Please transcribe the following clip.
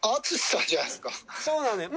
そうなのよ。